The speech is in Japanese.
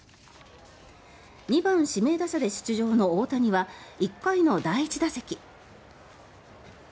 ２番指名打者で出場の大谷は１回の第１打席。